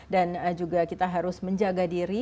dan juga kita harus menjaga diri